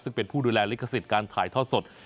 ซึ่งเป็นผู้ดูแลลิขสิทธิ์การถ่ายทอดสด